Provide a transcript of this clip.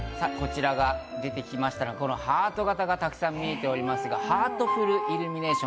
こちらが、ハート形がたくさん見えておりますが、ハートフルイルミネーション。